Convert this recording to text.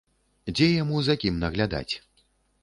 Дзе яму за кім наглядаць.